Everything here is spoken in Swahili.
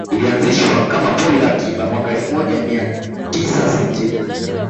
Ilianzishwa kama pori la akiba mwaka elfu moja mia tisa sitini